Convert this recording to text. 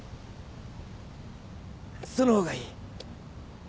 その方がいい。